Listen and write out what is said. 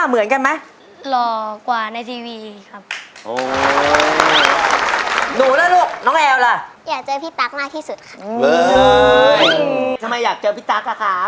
เมื่อไหนอยากเจอพี่ตาคอ่ะครับ